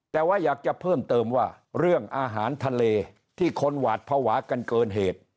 แต่ว่าอยากจะเพิ่มเติมว่าเรื่องอาหารทะเลที่คนหวาดภาวะกันเกินเหตุ